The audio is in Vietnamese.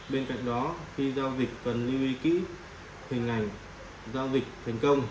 bên cạnh đó khi giao dịch cần lưu ý kỹ hình ảnh giao dịch thành công